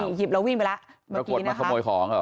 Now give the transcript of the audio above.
นี่หยิบแล้ววิ่นไปแล้วเมื่อกี้นะคะปรากฏมาขโมยของเหรอ